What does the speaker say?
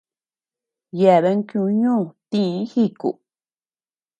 Yeaben kiuñú tï jiku.